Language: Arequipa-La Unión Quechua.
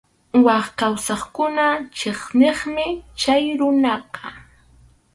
Wak kawsaqkuna chiqniqmi chay runaqa.